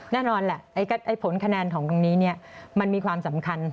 แน่นอนแหละผลคะแนนของตรงนี้มันมีความสำคัญ